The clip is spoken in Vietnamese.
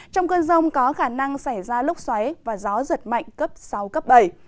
trong cơn rông có khả năng xảy ra lúc xoáy và gió giật mạnh cấp sáu cấp bảy